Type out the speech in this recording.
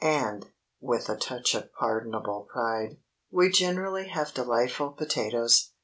And—" with a touch of pardonable pride—"we generally have delightful potatoes."